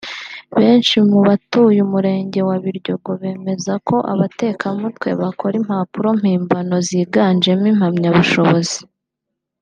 Benshi mu batuye Umurenge wa Biryogo bemeza ko abatekamutwe bakora impapuro mpimbano ziganjemo impamyabushobozi